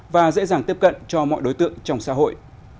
và dễ dàng tiếp cận cho mọi đối tượng trong xã hội